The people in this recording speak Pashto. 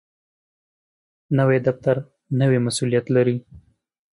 نوی دفتر نوی مسؤولیت لري